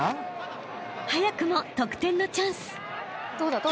［早くも得点のチャンス］